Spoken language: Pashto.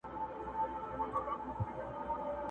لا به تر څو دا سرې مرمۍ اورېږي،